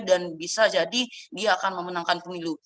dan bisa jadi dia akan memenangkan pemilu